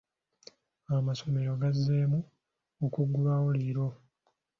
Amasomero gazzeemu okuggulwawo leero.